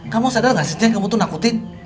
kamu sadar nggak sih cek kamu tuh nakutin